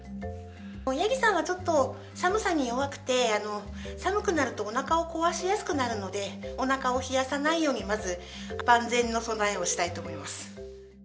ヤギさんはちょっと、寒さに弱くて、寒くなるとおなかを壊しやすくなるので、おなかを冷やさないようにまず万全の備えをしたいと思います。